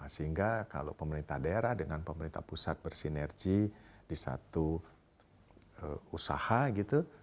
sehingga kalau pemerintah daerah dengan pemerintah pusat bersinergi di satu usaha gitu